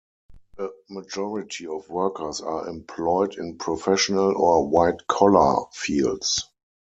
A majority of workers are employed in professional or white collar fields.